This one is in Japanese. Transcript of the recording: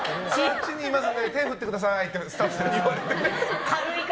手を振ってくださいってスタッフさんに言われて。